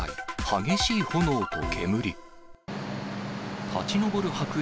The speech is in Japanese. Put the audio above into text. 激しい炎と煙。